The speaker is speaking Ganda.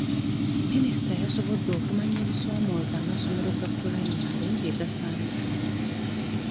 Minisita yasobodde okumanya ebisoomooza amasomero ga pulayimale bye gasanga.